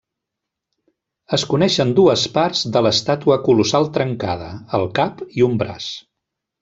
Es coneixen dues parts de l'estàtua colossal trencada: el cap i un braç.